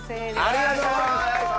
ありがとうございます。